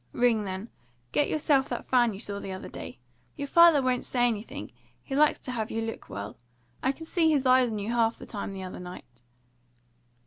Ring, then. Get yourself that fan you saw the other day. Your father won't say anything; he likes to have you look well. I could see his eyes on you half the time the other night."